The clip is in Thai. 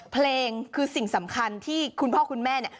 เพลงคือสิ่งสำคัญที่คุณพ่อคุณแม่เนี่ย